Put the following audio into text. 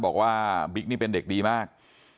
บอกว่าบิ๊กนี่เป็นเด็กดีมาก